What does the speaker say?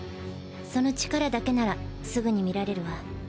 その力だけならすぐに見られるわ。